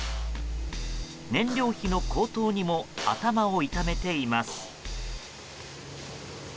燃料費の高騰にも頭を痛めています。